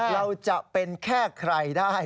เราจะเป็นแค่ใครได้